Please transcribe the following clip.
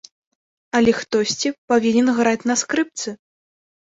Але хтосьці павінен граць на скрыпцы.